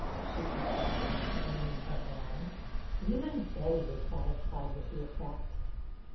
''she protested, wringing her hands. Even Betty was satisfied with the effect.